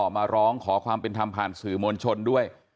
มาร้องขอความเป็นธรรมผ่านสื่อมวลชนด้วย